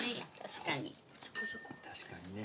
確かにね。